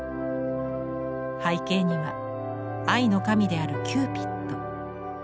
背景には愛の神であるキューピッド。